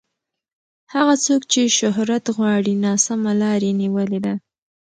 هغه څوک چې شهرت غواړي ناسمه لار یې نیولې ده.